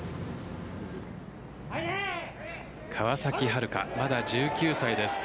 川崎春花、まだ１９歳です。